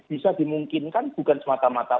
bisa dimungkinkan bukan semata mata